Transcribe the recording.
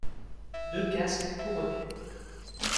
Deux casques couronnés.